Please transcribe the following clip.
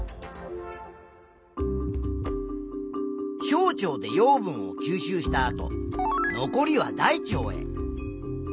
小腸で養分を吸収したあと残りは大腸へ。